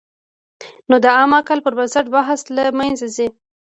نو د عام عقل پر بنسټ بحث له منځه ځي.